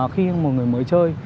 khi một người mới chơi